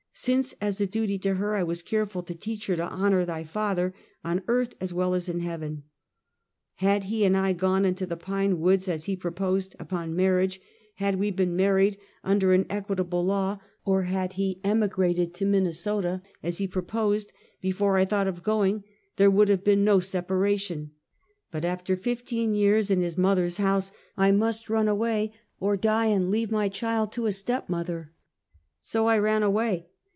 Since, as a duty to her, I was careful to teach her to " honor thy father " on earth as well as in heaven. Had he and I gone into the pine woods, as he pro posed, upon marriage; had we been married under an 168 Half a Centuey. equitable law or had lie emigrated to Minnesota, as he proposed, before I tliought of going, there would have been no separation; but after fifteen years in his mother's house I must run away or die, and leave my child to a step mother. So I ran away.